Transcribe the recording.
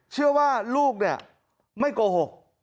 เชื่อว่าลูกไม่โกหก